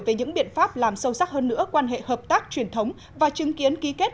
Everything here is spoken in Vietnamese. về những biện pháp làm sâu sắc hơn nữa quan hệ hợp tác truyền thống và chứng kiến ký kết